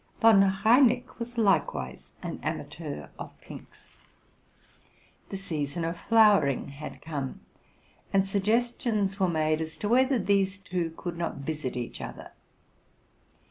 Von Reineck was likewise an amateur of pinks: the season of flowering had come, and suggestions were made as to whether these two eould not visit each other.